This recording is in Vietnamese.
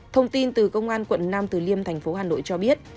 thông tin từ công an quận nam từ liêm thành phố hà nội cho biết